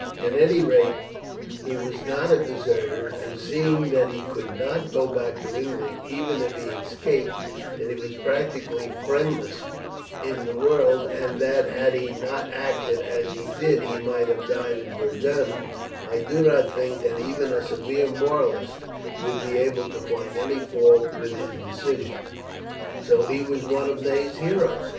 At any rate, he was not a deserter, and seeing that he could not go back to England even if he escaped, that he was practically friendless in the world, and that, had he not acted as he did he might have died at Verdun, I do not think that even a severe moralist would be able to find any fault with his decision. So he was one of Ney's heroes!